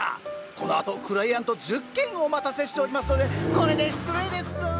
このあとクライアント１０件お待たせしておりますのでこれで失礼ですぞ！